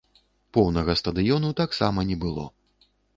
Поўнага стадыёну таксама не было.